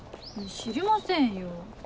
知りませんよ。